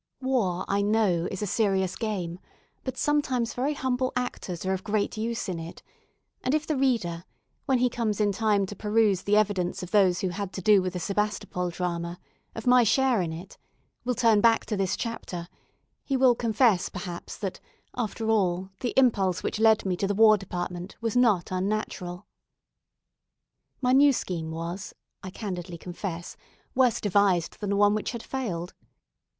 War, I know, is a serious game, but sometimes very humble actors are of great use in it, and if the reader, when he comes in time to peruse the evidence of those who had to do with the Sebastopol drama, of my share in it, will turn back to this chapter, he will confess perhaps that, after all, the impulse which led me to the War Department was not unnatural. My new scheme was, I candidly confess, worse devised than the one which had failed.